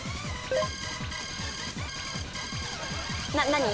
何？